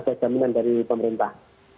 jadi ada jaminan dari pemerintah